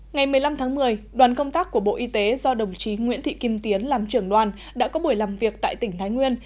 ngày một mươi năm tháng một mươi đoàn công tác của bộ y tế do đồng chí nguyễn thị kim tiến làm trưởng đoàn đã có buổi làm việc tại tỉnh thái nguyên